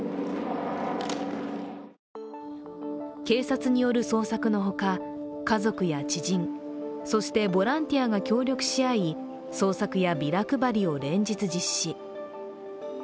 警察による捜索の他、家族や知人そしてボランティアが協力しあい捜索やビラ配りを連日実施。